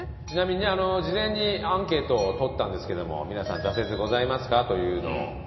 ちなみにね事前にアンケートを取ったんですけども「皆さん挫折ございますか？」というのを。